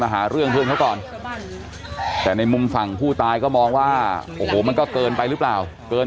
มาหาเรื่องมันก็เหมือนแบบนี้มาหาเรื่องมันก็เหมือนแบบนี้